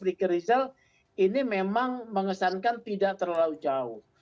jadi rizal ini memang mengesankan tidak terlalu jauh